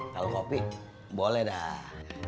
kalau kopi boleh dah